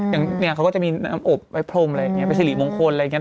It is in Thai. อย่างเนี่ยเขาก็จะมีน้ำอบไว้พรมอะไรอย่างนี้เป็นสิริมงคลอะไรอย่างนี้